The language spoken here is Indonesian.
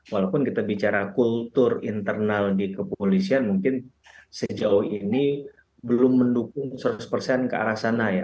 walaupun kita bicara kultur internal di kepolisian mungkin sejauh ini belum mendukung seratus persen ke arah sana ya